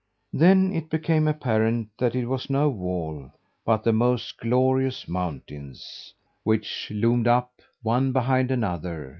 Then it became apparent that it was no wall, but the most glorious mountains, which loomed up one behind another.